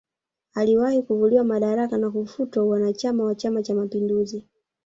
Aliwahi kuvuliwa madaraka na kufutwa uanachama wa chama cha mapinduzi